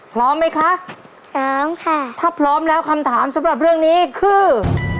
พร้อมไหมคะพร้อมค่ะถ้าพร้อมแล้วคำถามสำหรับเรื่องนี้คือ